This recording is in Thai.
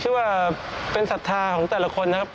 ที่เป็นศรัทธาของแต่ละคนนะครับ